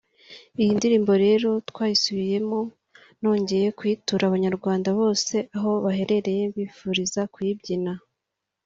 Iyi ndirimbo rero twasubiranyemo nongeye kuyitura abanyarwanda bose aho baherereye mbifuriza kuyibyina